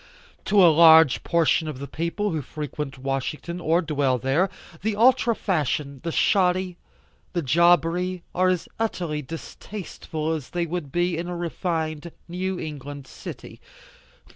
To a large portion of the people who frequent Washington or dwell there, the ultra fashion, the shoddy, the jobbery are as utterly distasteful as they would be in a refined New England City.